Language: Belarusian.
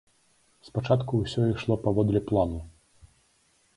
Спачатку ўсё ішло паводле плану.